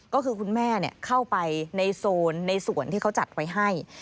ก็คือคุณแม่เข้าไปในโซนในส่วนที่เขาจัดไว้ให้